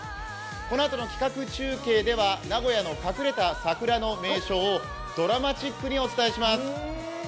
このあとの企画中継では、名古屋の隠れた桜の名所をドラマチックにお伝えします！